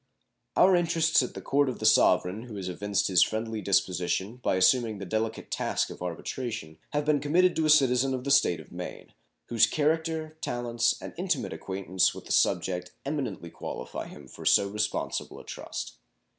Our interests at the Court of the Sovereign who has evinced his friendly disposition by assuming the delicate task of arbitration have been committed to a citizen of the State of Maine, whose character, talents, and intimate acquaintance with the subject eminently qualify him for so responsible a trust.